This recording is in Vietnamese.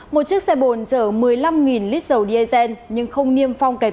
một chiếc xe bồn chở một mươi năm lít dầu diesel nhưng không niêm phong kẻ